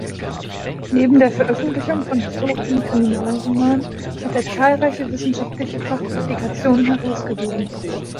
Neben der Veröffentlichung von historischen Kriminalromanen, hat er zahlreiche wissenschaftliche Fachpublikationen herausgegeben.